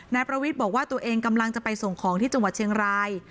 นายประวิทย์บอกว่าตัวเองกำลังจะไปส่งของที่จังหวัดเชียงราย